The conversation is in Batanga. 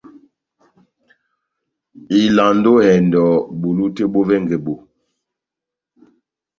Ivalandi ó ehɛndɔ bulu tɛ́h bó vɛngɛ bó.